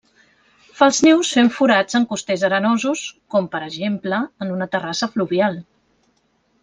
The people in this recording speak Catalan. Fa els nius fent forats en costers arenosos com, per exemple, en una terrassa fluvial.